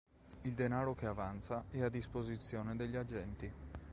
Il denaro che avanza è a disposizione degli agenti.